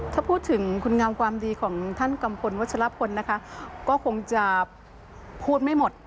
ถ้าพูดถึงคุณงามความดีของท่านกัมพลวัชลพลนะคะก็คงจะพูดไม่หมด